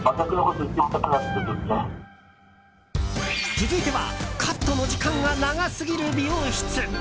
続いてはカットの時間が長すぎる美容室。